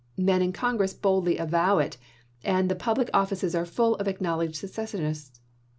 Men in Congress boldly avow it, and the public offices are full of acknowledged secessionists.